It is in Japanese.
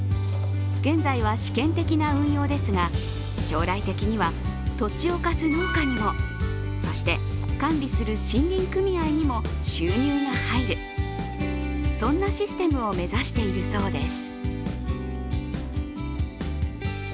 現在は試験的な運用ですが将来的には土地を貸す農家にも、そして管理する森林組合にも収入が入る、そんなシステムを目指しているそうです。